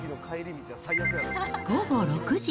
午後６時。